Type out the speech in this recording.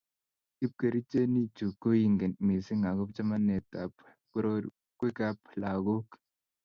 kipkerichenichu ko ingen mising akobo chamanetab borwekab lagok.